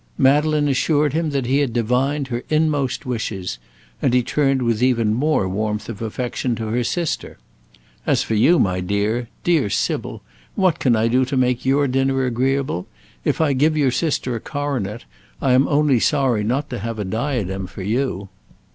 Madeleine assured him that he had divined her inmost wishes, and he turned with even more warmth of affection to her sister: "As for you, my dear dear Sybil, what can I do to make your dinner agreeable? If I give your sister a coronet, I am only sorry not to have a diadem for you.